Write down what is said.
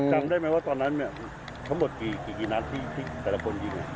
จำได้ไหมว่าตอนนั้นเนี่ยทั้งหมดกี่นัดที่แต่ละคนยิง